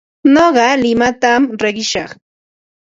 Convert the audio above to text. Nuqa limatam riqishaq.